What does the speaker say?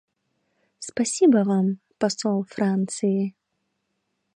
Спасибо Вам, посол Франции.